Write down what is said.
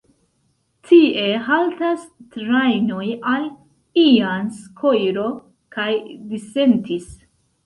Tie haltas trajnoj al Ilanz, Koiro kaj Disentis.